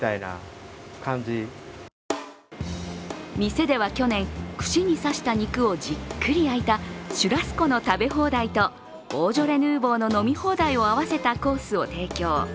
店では去年、串に刺した肉をじっくり焼いたシュラスコの食べ放題とボージョレ・ヌーボーの飲み放題を合わせたコースを提供。